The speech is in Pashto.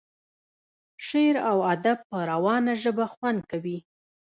شعر او ادب په روانه ژبه خوند کوي.